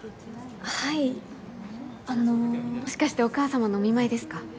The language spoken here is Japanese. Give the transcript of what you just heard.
はいあのもしかしてお母様のお見舞いですか？